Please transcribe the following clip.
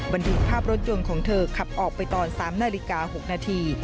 บันทึกภาพรถยนต์ของเธอขับออกไปตอน๓นาฬิกา๖นาที